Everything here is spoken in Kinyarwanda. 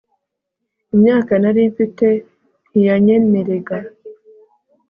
imyaka nari mfite ntiyanyemerega